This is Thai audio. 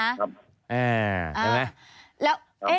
อ่าเห็นมั้ย